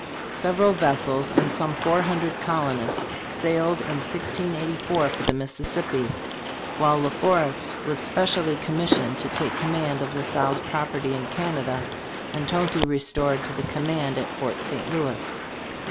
Several ves sels and some four hundred colonists sailed in 1684 for the Mississippi, while La Forest was specially commissioned to take command of La Salle's property in Canada, and Tonty restored to the command at Fort St. Louis, FAILURE AND DEATH.